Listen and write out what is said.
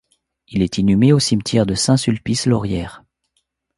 Il est inhumé au cimetière de Saint-Sulpice-Laurière.